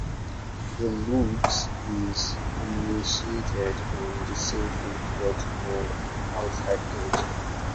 The Lutz is initiated on the same foot, but on an outside edge.